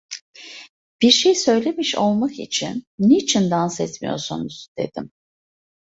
Bir şey söylemiş olmak için: "Niçin dans etmiyorsunuz?" dedim.